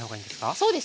そうですね。